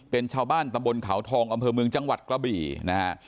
เป็นชาวบ้านตำบลเขาทองอำเภอเมืองจังหวัดกระบี่นะฮะ